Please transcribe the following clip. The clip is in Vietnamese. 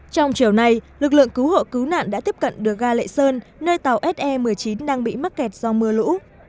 trong chiều nay lực lượng cứu hộ cứu nạn đã tiếp cận được ga lệ sơn nơi tàu se một mươi chín đang bị mắc kẹt do mưa lũ